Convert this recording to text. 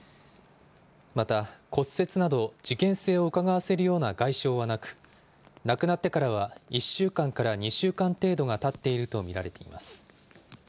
また、骨折など、事件性をうかがわせるような外傷はなく、亡くなってからは１週間から２週間程度がたっていると見られています。